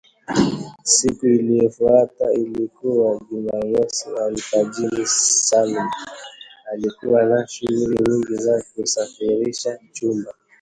Siku iliyofuata ilikuwa Jumamosi alfajiri, Salma alikuwa na shughuli nyingi za kusafisha chumba